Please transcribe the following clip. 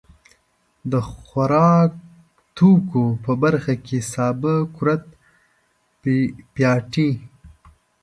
د خوراکتوکو په برخه کې سابه، کورت، پياټي.